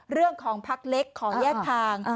เรื่องของพักเล็กขอแยกทาง